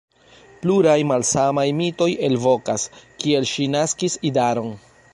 Pluraj malsamaj mitoj elvokas, kiel ŝi naskis idaron.